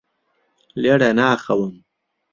لێرە ناخەوم.